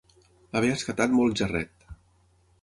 Haver escatat molt gerret.